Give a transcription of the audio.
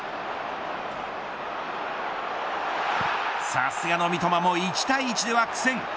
さすがの三笘も一対一では苦戦。